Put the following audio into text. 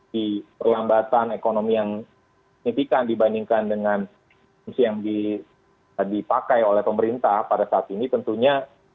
di perlambatan ekonomi yang signifikan dibandingkan dengan fungsi yang dipakai oleh pemerintah pada saat ini tentunya